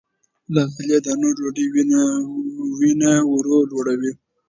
له غلې- دانو ډوډۍ وینه ورو لوړوي.